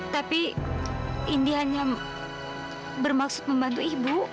tapi ini hanya bermaksud membantu ibu